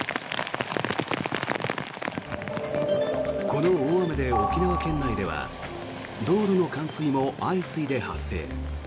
この大雨で沖縄県内では道路の冠水も相次いで発生。